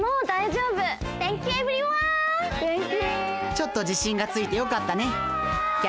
ちょっとじしんがついてよかったねき